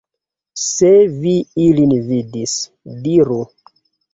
Se vi ilin vidis, diru!